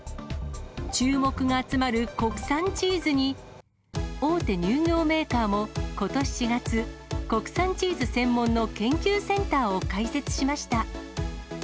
注目が集まる国産チーズに、大手乳業メーカーもことし４月、国産チーズ専門の研究センターを開設しました。